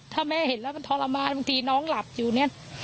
ถ้าแม่เห็นแล้วมันทรมานบางทีน้องหลับอยู่เนี่ย